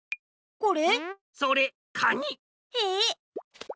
これ？